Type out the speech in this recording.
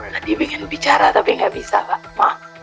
tadi ingin bicara tapi tidak bisa pak